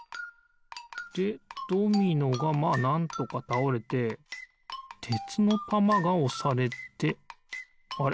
でドミノがまあなんとかたおれててつのたまがおされてあれ？